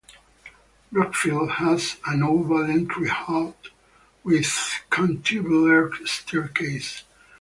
Brockfield has an oval entry hall with cantilevered staircase.